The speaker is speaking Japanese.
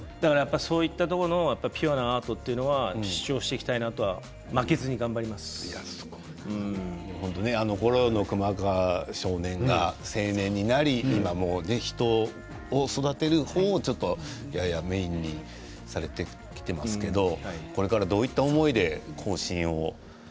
そういったところのピュアなハートというのは主張していきたいなとこのころの熊川少年が青年になり人を育てる方法をややメインにされてきていますけれどもこれからどういった思いで後進を。